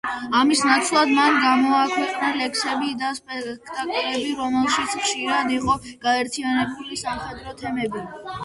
ამის ნაცვლად მან გამოაქვეყნა ლექსები და სპექტაკლები, რომელშიც ხშირად იყო გაერთიანებული სამხედრო თემები.